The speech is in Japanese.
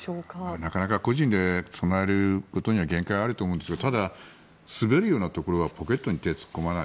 なかなか個人で備えることには限界があると思いますがただ、滑るようなところはポケットに手を突っ込まない。